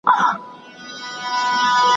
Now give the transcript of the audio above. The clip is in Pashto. ګړندي مي دي ګامونه، زه سرلارې د کاروان یم `